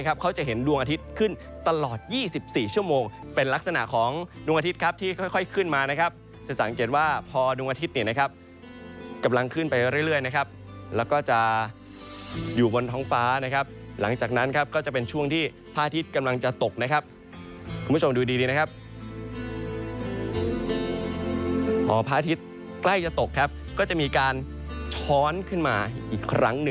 โมงเป็นลักษณะของดวงอาทิตย์ครับที่ค่อยค่อยขึ้นมานะครับจะสังเกตว่าพอดวงอาทิตย์เนี้ยนะครับกำลังขึ้นไปเรื่อยเรื่อยนะครับแล้วก็จะอยู่บนท้องฟ้านะครับหลังจากนั้นครับก็จะเป็นช่วงที่พาทิตย์กำลังจะตกนะครับคุณผู้ชมดูดีดีนะครับพอพาทิตย์ใกล้จะตกครับก็จะมีการช้อนขึ้นมาอีกครั้งหนึ